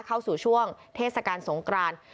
เข้าสู่ช่วงเทศกาลสงกราน